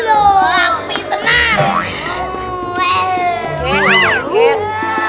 loh api tenang